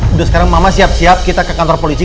udah sekarang mama siap siap kita ke kantor polisi